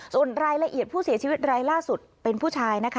ส่วนรายละเอียดผู้เสียชีวิตรายล่าสุดเป็นผู้ชายนะคะ